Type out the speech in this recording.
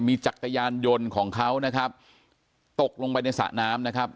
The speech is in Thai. มีจักรยานยนต์ของเขานะครับตกลงไปในสระน้ำนะครับ